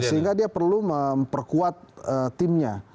sehingga dia perlu memperkuat timnya